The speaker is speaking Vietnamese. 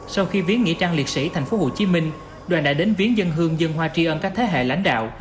sau khi viến nghĩa trang liệt sĩ thành phố hồ chí minh đoàn đã đến viến dân hương dân hòa tri ân các thế hệ lãnh đạo